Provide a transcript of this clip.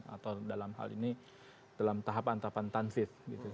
atau dalam hal ini dalam tahapan tahapan tensif